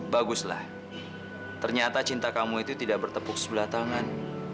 baguslah ternyata cinta kamu itu tidak bertepuk sebelah tangan